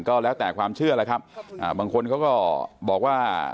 ก็แล้วแต่ความเชื่อแล้วครับบางคนเขาก็บอกว่า